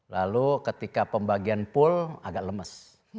lalu ketika pembagian pool agak lemes